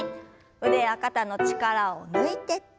腕や肩の力を抜いて。